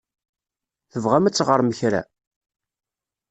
Tebɣam ad teɣṛem kra?